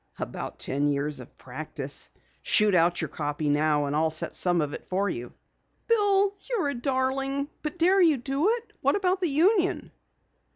"About ten years practice. Shoot out your copy now and I'll set some of it for you." "Bill, you're a darling! But dare you do it? What about the union?"